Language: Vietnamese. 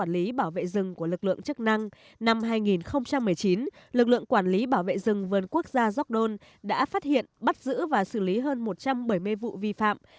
lực lượng quản lý bảo vệ rừng vườn quốc gia gióc đôn đã phát hiện bắt giữ và xử lý hơn một trăm bảy mươi vụ vi phạm